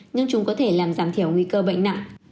nhưng chúng có thể làm giảm thiểu nguy cơ bệnh nặng